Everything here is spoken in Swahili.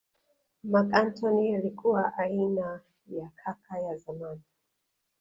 Marc Antony alikuwa aina ya kaka ya zamani